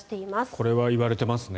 これは言われてますね。